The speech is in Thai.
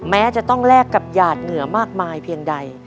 แม้จะต้องแลกกับหยาดเหงื่อมากมายเพียงใด